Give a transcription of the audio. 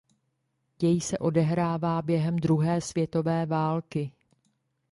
Děj se odehrává během druhé světové války.